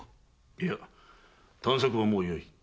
いや探索はもうよい。